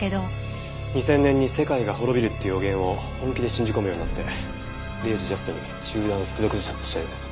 ２０００年に世界が滅びるって予言を本気で信じ込むようになって０時ジャストに集団服毒自殺したようです。